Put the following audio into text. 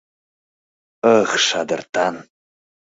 Ых, шадыртан!